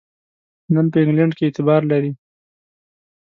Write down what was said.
نن په انګلینډ کې اعتبار لري.